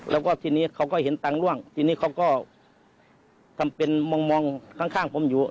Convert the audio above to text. แล้วก็ทีนี้เขาก็เห็นตังค์ร่วงทีนี้เขาก็ทำเป็นมองข้างผมอยู่